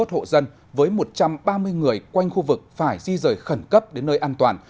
hai mươi một hộ dân với một trăm ba mươi người quanh khu vực phải di rời khẩn cấp đến nơi an toàn